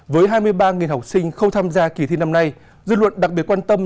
với hai mươi ba học sinh không tham gia kỳ thi năm nay dư luận đặc biệt quan tâm